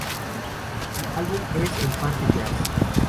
El álbum es, en parte, jazz.